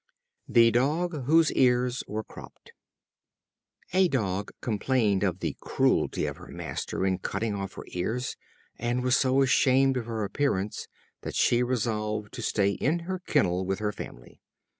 The Dog Whose Ears were Cropped. A Dog complained of the cruelty of her master in cutting off her ears, and was so ashamed of her appearance that she resolved to stay in her kennel with her family.